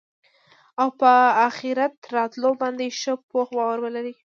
او په آخرت راتلو باندي ښه پوخ باور لري